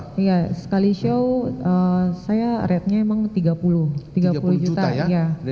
iya sekali show saya ratenya emang tiga puluh tiga puluh juta